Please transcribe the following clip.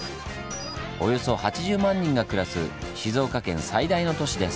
およそ８０万人が暮らす静岡県最大の都市です。